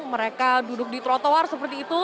mereka duduk di trotoar seperti itu